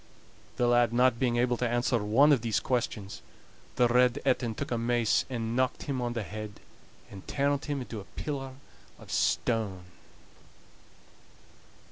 The lad not being able to answer one of these questions, the Red Etin took a mace and knocked him on the head, and turned him into a pillar of stone.